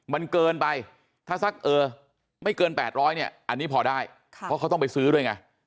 มันเกินไปถ้าสักเออไม่เกิน๘๐๐เนี่ยอันนี้พอได้เพราะเขาต้องไปซื้อด้วยไง